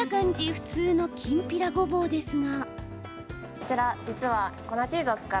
普通のきんぴらごぼうですが。